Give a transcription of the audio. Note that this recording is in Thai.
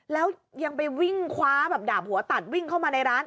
แล้วยังไปวิ่งคว้าแบบดาบหัวตัดวิ่งเข้ามาในร้าน